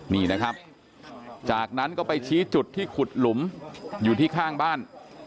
นี่นะครับจากนั้นก็ไปชี้จุดที่ขุดหลุมอยู่ที่ข้างบ้าน